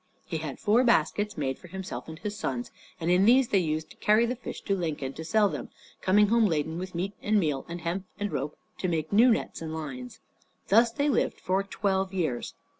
He had four baskets made for himself and his sons, and in these they used to carry the fish to Lincoln, to sell them, coming home laden with meat and meal, and hemp and rope to make new nets and lines. Thus they lived for twelve years.